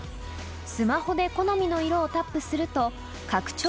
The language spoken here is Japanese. スマホで好みの色をタップすると拡張